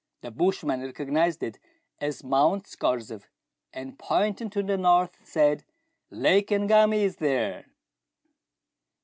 The bushman recognized it as Mount Scorzef, and, pointing to the north, said, —" Lake Ngami is there."